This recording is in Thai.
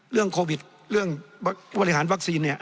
เรื่องโควิดเรื่องบริหารวัคซีนเนี่ย